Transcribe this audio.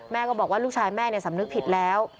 แม่ก็บอกว่าลูกชายแม่เนี่ยสำนึกผิดแล้ว